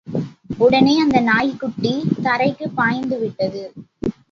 உடனே அந்த நாய்க்குட்டி தரைக்குப் பாய்ந்து விட்டது.